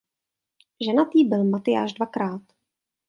Ženatý byl Matyáš dvakrát.